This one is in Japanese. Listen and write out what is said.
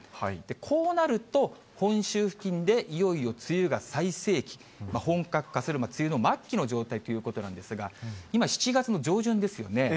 こうなると、本州付近で、いよいよ梅雨が最盛期、本格化する、梅雨の末期という状態なんですが、今、７月の上旬ですよね。